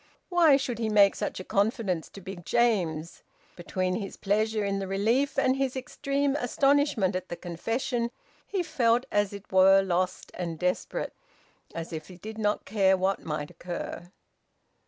Why should he make such a confidence to Big James? Between his pleasure in the relief, and his extreme astonishment at the confession, he felt as it were lost and desperate, as if he did not care what might occur.